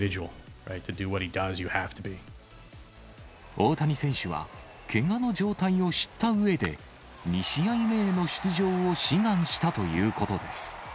大谷選手は、けがの状態を知ったうえで、２試合目への出場を志願したということです。